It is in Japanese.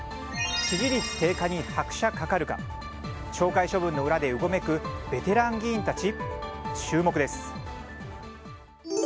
支持率低下に拍車かかるか懲戒処分の裏でうごめくベテラン議員たち。